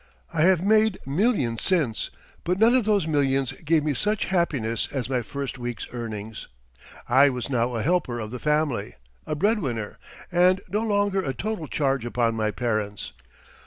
I have made millions since, but none of those millions gave me such happiness as my first week's earnings. I was now a helper of the family, a breadwinner, and no longer a total charge upon my parents.